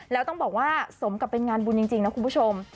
แล้วต้องบอกว่าสมกับเป็นงานบุญจริงนะคุณผู้ชม